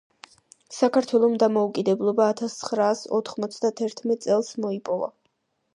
საქართველომ დამოუკიდებლობა ათასცხრაასოთხმოცდათერთმეტ წელს მოიპოვა.